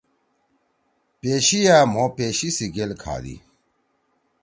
پیشیا مھو پیشی سی گیل کھادی۔